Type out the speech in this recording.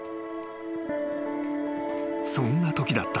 ［そんなときだった］